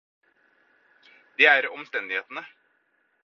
Det er omstendighetene.